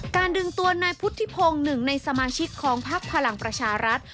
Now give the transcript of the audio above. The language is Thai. ดึงตัวนายพุทธิพงศ์หนึ่งในสมาชิกของพักพลังประชารัฐ